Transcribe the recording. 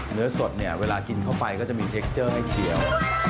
เนื้อสดเนี่ยเวลากินเข้าไปก็จะมีเทคเจอร์ให้เขียว